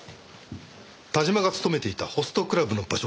田島が勤めていたホストクラブの場所